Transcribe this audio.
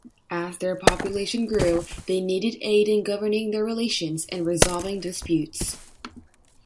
As their population grew, they needed aid in governing their relations and resolving disputes.